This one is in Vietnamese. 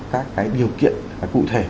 các cái điều kiện cụ thể